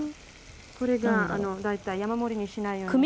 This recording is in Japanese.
これが大体山盛りにしないように。